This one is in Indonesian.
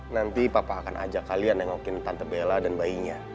nanti papa akan ajak kalian nengokin tante bela dan bayinya